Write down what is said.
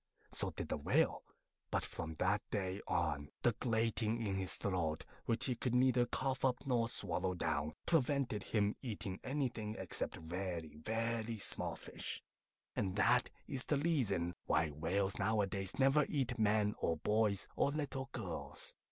So did the Whale. But from that day on, the grating in his throat, which he could neither cough up nor swallow down, prevented him eating anything except very, very small fish; and that is the reason why whales nowadays never eat men or boys or little girls.